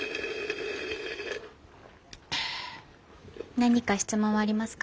何か質問はありますか？